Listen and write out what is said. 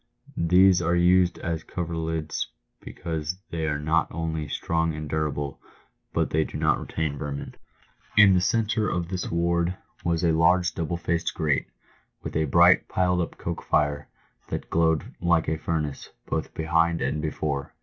These are used as coverlids because they are not only strong and durable, but they do not retain vermin. In the centre of this ward was a large double faced grate, with a bright piled up coke fire, that glowed like a furnace both behind and before.